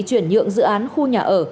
chuyển nhượng dự án khu nhà ở